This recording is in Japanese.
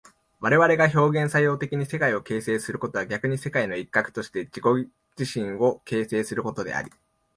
我々が表現作用的に世界を形成することは逆に世界の一角として自己自身を形成することであり、